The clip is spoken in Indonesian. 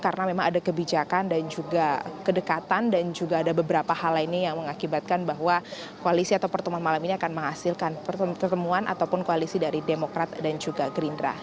karena memang ada kebijakan dan juga kedekatan dan juga ada beberapa hal lainnya yang mengakibatkan bahwa koalisi atau pertemuan malam ini akan menghasilkan pertemuan ataupun koalisi dari demokrat dan juga gerindra